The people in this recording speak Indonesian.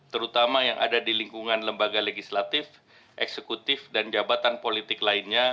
terutama yang ada di lingkungan lembaga legislatif eksekutif dan jabatan politik lainnya